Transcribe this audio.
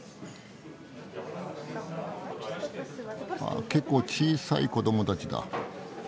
ああ結構小さい子どもたちだ。